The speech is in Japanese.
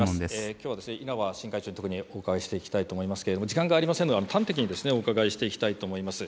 きょうは稲葉新会長に特にお伺いしていきたいと思いますけれども、時間がありませんので、端的にお伺いしていきたいと思います。